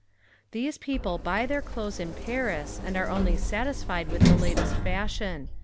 These people buy their clothes in Paris and are only satisfied with the latest fashion.